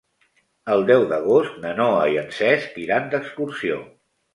El deu d'agost na Noa i en Cesc iran d'excursió.